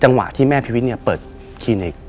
จังหวะที่แม่พิวิตเปิดคีเณก